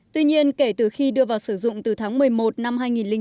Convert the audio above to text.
tuy nhiên kể từ khi đưa vào sử dụng từ tháng một mươi một năm hai nghìn chín